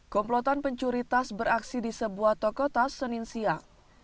komplotan pencuri tas beraksi di sebuah toko tas senin siang